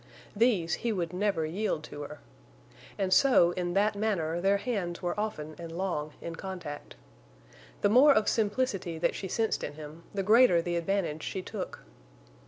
These he would never yield to her. And so in that manner their hands were often and long in contact. The more of simplicity that she sensed in him the greater the advantage she took.